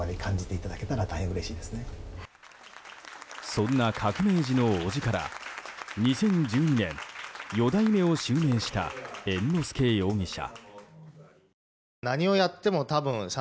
そんな革命児の伯父から２０１２年四代目を襲名した猿之助容疑者。